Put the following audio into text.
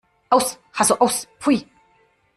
Aus! Hasso Aus! Pfui!